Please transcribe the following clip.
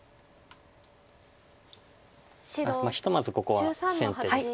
ひとまずここは先手です。